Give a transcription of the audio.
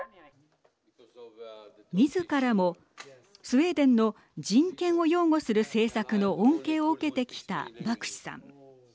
みずからもスウェーデンの人権を擁護する政策の恩恵を受けてきたバクシさん。